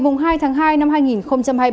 mùng hai tháng hai năm hai nghìn hai mươi ba